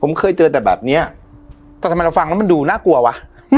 ผมเคยเจอแต่แบบเนี้ยแต่ทำไมเราฟังแล้วมันดูน่ากลัววะ